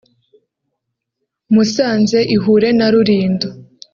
Musanze ihure na Rulindo